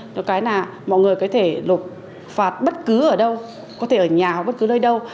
mọi người có thể lộp phạt bất cứ ở đâu có thể ở nhà hoặc bất cứ nơi đâu